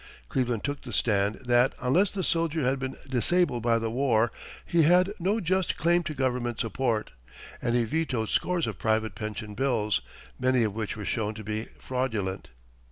Cleveland took the stand that, unless the soldier had been disabled by the war, he had no just claim to government support, and he vetoed scores of private pension bills, many of which were shown to be fraudulent.